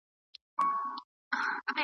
په دا منځ کي چا نیولی یو عسکر وو .